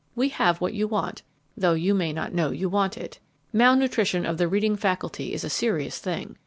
We have what you want, though you may not know you want it. Malnutrition of the reading faculty is a serious thing.